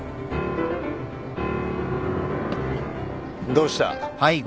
どうした？